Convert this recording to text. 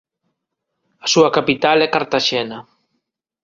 A súa capital é Cartaxena.